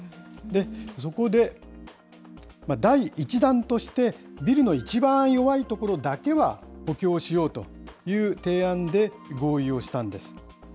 そこで第１弾として、ビルの一番弱い所だけは補強しようという提案で、合意をしたんです。